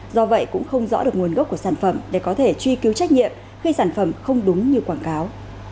do vậy cũng không rõ được nguồn gốc của sản phẩm để có thể truy cứu trách nhiệm khi sản phẩm không đúng như quảng cáo